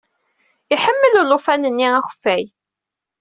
Iḥemmel ulufan-nni akeffay.